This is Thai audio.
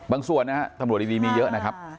บางส่วนสมรวจดีมีเยอะนะครับ